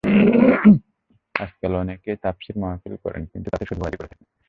আজকাল অনেকেই তাফসির মাহফিল করেন, কিন্তু তাতে শুধু ওয়াজই করে থাকেন।